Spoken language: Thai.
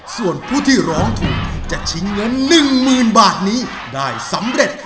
ส่วนผู้ที่ร้องถูกจะชิงเงิน๑๐๐๐บาทนี้ได้สำเร็จ